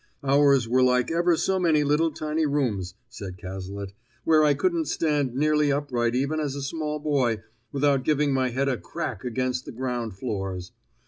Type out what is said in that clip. "Ours were like ever so many little tiny rooms," said Cazalet, "where I couldn't stand nearly upright even as a small boy without giving my head a crack against the ground floors.